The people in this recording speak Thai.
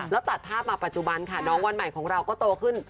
แล้วตัดภาพมาปัจจุบันค่ะน้องวันใหม่ของเราก็โตขึ้น